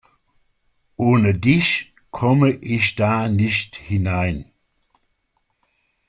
Ohne dich komme ich da nicht hinein.